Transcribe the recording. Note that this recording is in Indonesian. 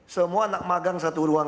semua anak magang satu ruang